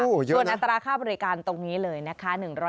โอ้โฮเยอะนะส่วนอัตราค่าบริการตรงนี้เลยนะคะ